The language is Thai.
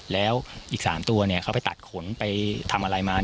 แล้วอีก๓ตัวเขาไปตัดขนไปทำอะไรมา